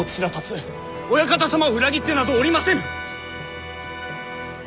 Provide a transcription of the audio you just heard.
お屋形様を裏切ってなどおりませぬ！